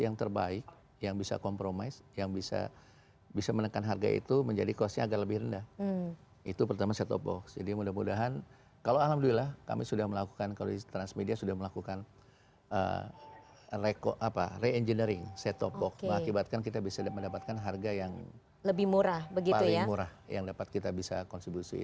ya terima kasih mbak lusi